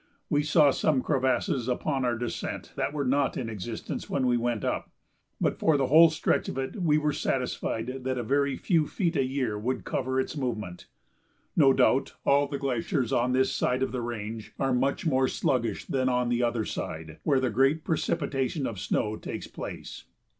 We saw some crevasses upon our descent that were not in existence when we went up. But for the whole stretch of it we were satisfied that a very few feet a year would cover its movement. No doubt all the glaciers on this side of the range are much more sluggish than on the other side, where the great precipitation of snow takes place.